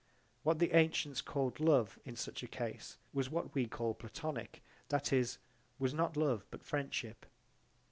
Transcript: What the antients called love in such a case was what we call Platonic, that is, was not love but friendship.